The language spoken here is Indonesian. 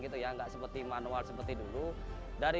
terima kasih teman teman